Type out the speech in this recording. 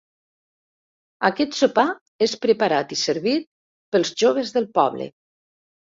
Aquest sopar és preparat i servit pels joves del poble.